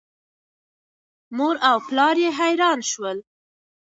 مور او پلار یې حیران شول.